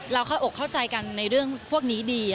ค่อยอกเข้าใจกันในเรื่องพวกนี้ดี